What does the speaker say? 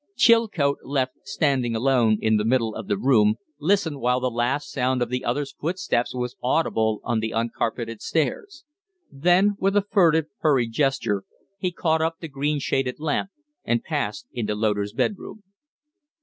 Chilcote, left standing alone in the middle of the room, listened while the last sound of the other's footsteps was audible on the uncarpeted stairs; then, with a furtive, hurried gesture, he caught up the green shaded lamp and passed into Loder's bedroom.